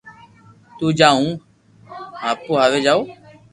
تو جا ھون ھاپو آوي جاو